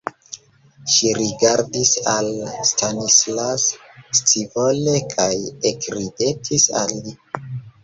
Ŝi rigardis al Stanislas scivole kaj ekridetis al li.